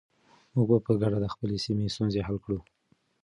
موږ به په ګډه د خپلې سیمې ستونزې حل کړو.